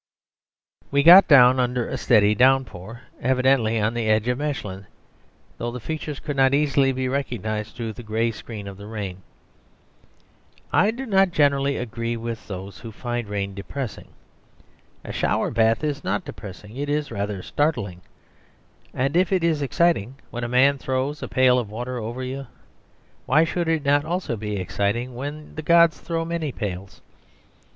We got down, under a steady downpour, evidently on the edge of Mechlin, though the features could not easily be recognised through the grey screen of the rain. I do not generally agree with those who find rain depressing. A shower bath is not depressing; it is rather startling. And if it is exciting when a man throws a pail of water over you, why should it not also be exciting when the gods throw many pails?